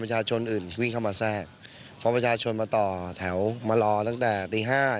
ประโยชน์ที่เห็นความข้าวและแคความทำลังกว่า